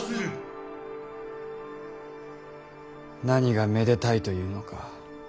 何がめでたいというのか。